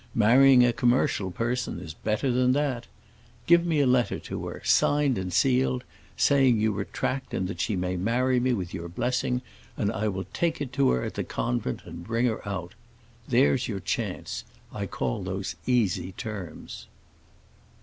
Marrying a commercial person is better than that. Give me a letter to her, signed and sealed, saying you retract and that she may marry me with your blessing, and I will take it to her at the convent and bring her out. There's your chance—I call those easy terms."